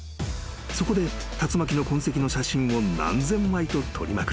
そこで竜巻の痕跡の写真を何千枚と撮りまくり］